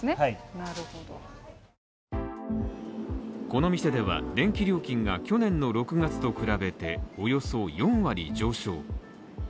この店では、電気料金が去年の６月と比べて、およそ４割上昇。